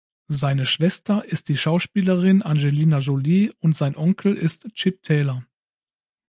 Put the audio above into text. Seine Schwester ist die Schauspielerin Angelina Jolie und sein Onkel ist Chip Taylor.